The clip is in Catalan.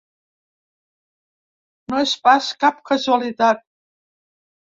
No és pas cap casualitat.